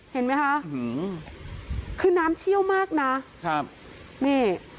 เห็นไหมคะคือน้ำเชี่ยวมากนะครับนี่